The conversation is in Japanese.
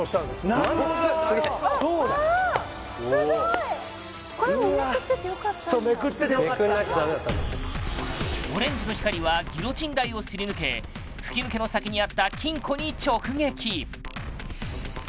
あーすごいこれもめくっててよかったんやオレンジの光はギロチン台をすり抜け吹き抜けの先にあった金庫に直撃